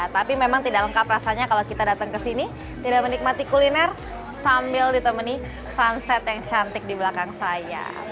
tapi memang tidak lengkap rasanya kalau kita datang ke sini tidak menikmati kuliner sambil ditemeni sunset yang cantik di belakang saya